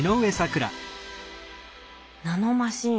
ナノマシン。